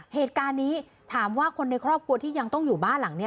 เหตุการณ์นี้ถามว่าคนในครอบครัวที่ยังต้องอยู่บ้านหลังนี้